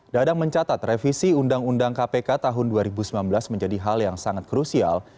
dadang mencatat revisi undang undang kpk tahun dua ribu sembilan belas menjadi hal yang sangat krusial